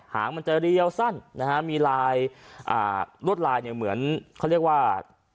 หางมันจะเรียวสั้นมีลายรวดลายเหมือนเขาเรียกว่า